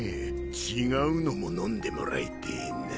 違うのも飲んでもらいてぇな。